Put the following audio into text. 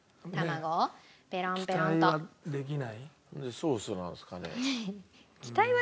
ソースなんですかね？